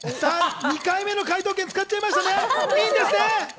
２回目の解答権、使っちゃいましたね。